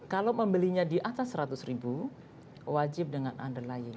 kalau membelinya di atas seratus ribu wajib dengan underline